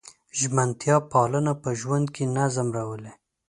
ژمنتیا پالنه په ژوند کې نظم راولي.